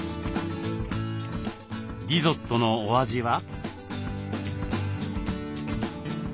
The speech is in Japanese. リゾットのお味は？